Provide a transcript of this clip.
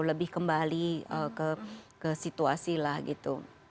lebih kembali ke situasi lah gitu